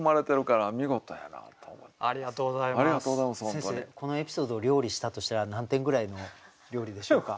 先生このエピソードを料理したとしたら何点ぐらいの料理でしょうか。